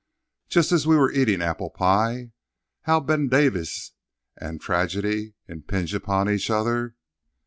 Just as we were eating apple pie—how Ben Davises and tragedy impinge upon each other!